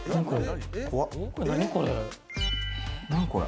何これ？